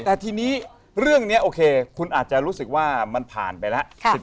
แต่ทีนี้เรื่องนี้โอเคคุณอาจจะรู้สึกว่ามันผ่านไปแล้ว